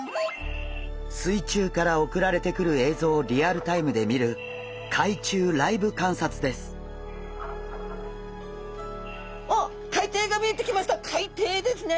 水中から送られてくる映像をリアルタイムで見る海底ですね。